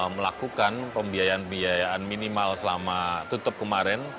melakukan pembiayaan pembiayaan minimal selama tutup kemarin